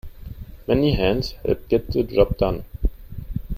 Many hands help get the job done.